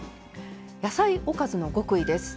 「野菜おかずの極意」です。